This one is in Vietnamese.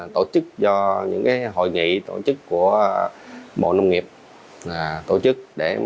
tổ chức do những hội nghị tổ chức của bộ nông nghiệp tổ chức để